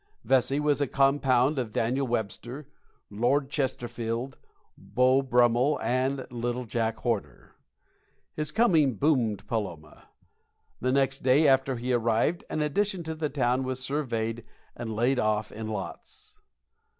Vesey was a compound of Daniel Webster, Lord Chesterfield, Beau Brummell, and Little Jack Horner. His coming boomed Paloma. The next day after he arrived an addition to the town was surveyed and laid off in lots.